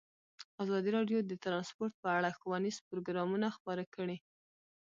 ازادي راډیو د ترانسپورټ په اړه ښوونیز پروګرامونه خپاره کړي.